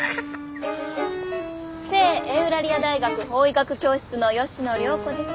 聖エウラリア大学法医学教室の吉野涼子です。